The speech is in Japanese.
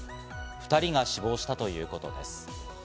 ２人が死亡したということです。